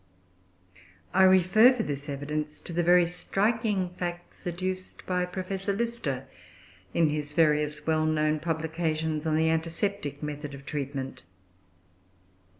I refer for this evidence to the very striking facts adduced by Professor Lister in his various well known publications on the antiseptic method of treatment.